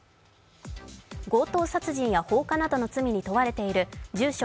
強盗殺人や放火などの罪に問われている住所